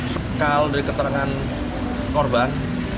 sekal dari keterangan korban